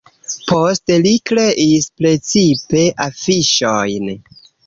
Poste li kreis precipe afiŝojn.